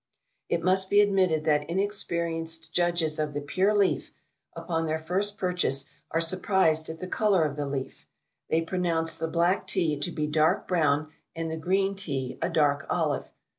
It must be admitted that inexperienced judges of the pure leaf, upon their first purchase are surprised at the colour of the leaf. They pronounce the black Tea to be dark brown, and the green Tea, a dark olive.